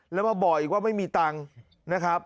แล้วมาบอกอีกว่าไม่มีตังค์